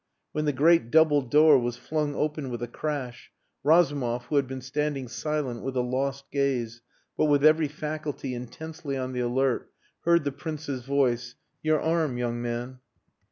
When the great double door was flung open with a crash, Razumov, who had been standing silent with a lost gaze but with every faculty intensely on the alert, heard the Prince's voice "Your arm, young man."